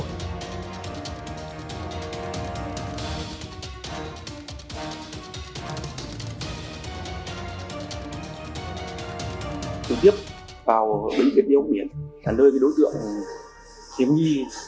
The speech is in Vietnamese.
thực tiếp vào bệnh viện thiên úc biển là nơi đối tượng thiếu nghi